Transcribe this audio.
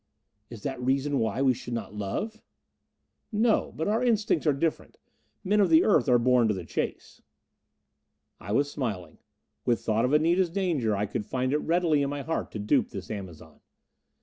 "Is that reason why we should not love?" "No. But our instincts are different. Men of the Earth are born to the chase." I was smiling. With thought of Anita's danger I could find it readily in my heart to dupe this Amazon.